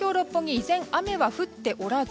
依然、雨は降っておらず。